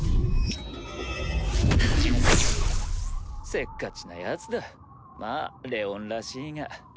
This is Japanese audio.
せっかちなヤツだまぁレオンらしいが。